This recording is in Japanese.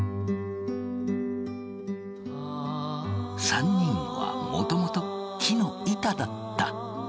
３人はもともと木の板だった。